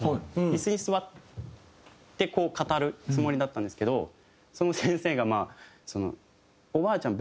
椅子に座ってこう語るつもりだったんですけどその先生がまあ「おばあちゃん